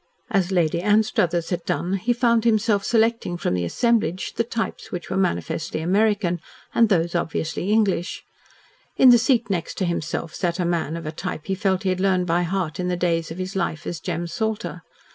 As Lady Anstruthers had done, he found himself selecting from the assemblage the types which were manifestly American, and those obviously English. In the seat next to himself sat a man of a type he felt he had learned by heart in the days of his life as Jem Salter.